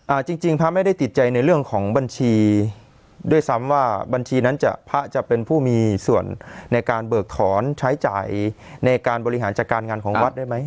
จริงจริงพระไม่ได้ติดใจในเรื่องของบัญชีด้วยซ้ำว่าบัญชีนั้นจะพระจะเป็นผู้มีส่วนในการเบิกถอนใช้จ่ายในการบริหารจัดการงานของวัดได้ไหม